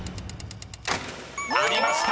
［ありました。